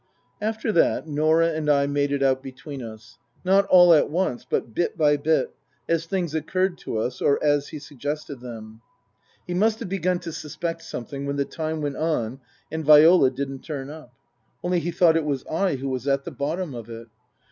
After that Norah and I made it out between us. Not all at once, but bit by bit, as things occurred to us or as he suggested them. He must have begun to suspect something when the time went on and Viola didn't turn up. Only he thought it was I who was at the bottom of it.